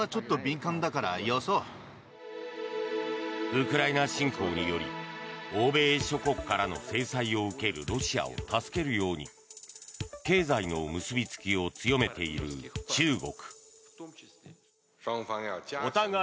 ウクライナ侵攻により欧米諸国からの制裁を受けるロシアを助けるように経済の結びつきを強めている中国。